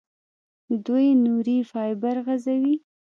دوی نوري فایبر غځوي.